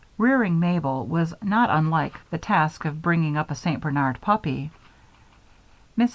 Rearing Mabel was not unlike the task of bringing up a St. Bernard puppy. Mrs.